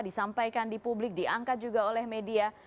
disampaikan di publik diangkat juga oleh media